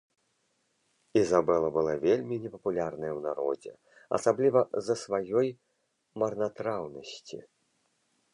Ізабела была вельмі непапулярная ў народзе, асабліва з-за сваёй марнатраўнасці.